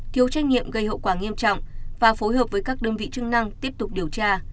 thiếu trách nhiệm gây hậu quả nghiêm trọng và phối hợp với các đơn vị chức năng tiếp tục điều tra